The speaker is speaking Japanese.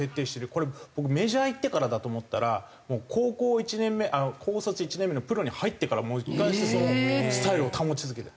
これ僕メジャーいってからだと思ったらもう高校１年目高卒１年目のプロに入ってからもう一貫してそのスタイルを保ち続けてる。